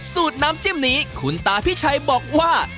สูตรน้ำจิ้มนี้คุณตาพิชัยบอกว่า